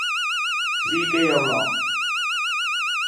司機有落